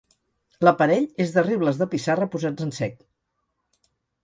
L'aparell és de rebles de pissarra posats en sec.